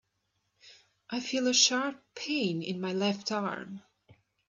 I feel a sharp pain in my left arm.